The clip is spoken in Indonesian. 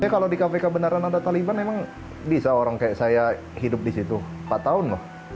kalau di kpk beneran ada taliban emang bisa orang kayak saya hidup di situ empat tahun loh